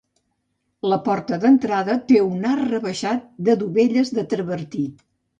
La porta d'entrada té un arc rebaixat de dovelles de travertí.